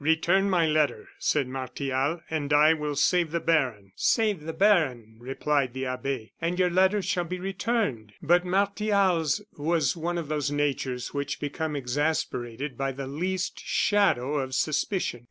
"Return my letter," said Martial, "and I will save the baron." "Save the baron," replied the abbe, "and your letter shall be returned." But Martial's was one of those natures which become exasperated by the least shadow of suspicion.